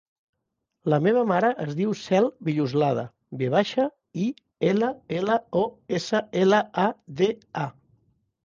La meva mare es diu Cel Villoslada: ve baixa, i, ela, ela, o, essa, ela, a, de, a.